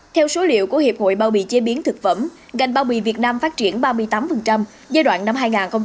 theo số liệu của hiệp hội bao bì chế biến thực phẩm ngành bao bì việt nam phát triển ba mươi tám giai đoạn năm hai nghìn một mươi hai nghìn hai mươi